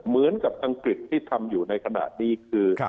เหมือนกับอังกฤษที่ทำอยู่ในขณะนี้คือ